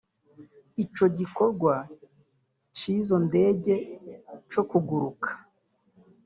Ico gikorwa c’izo ndege co kuguruka